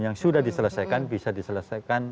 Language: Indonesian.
yang sudah diselesaikan bisa diselesaikan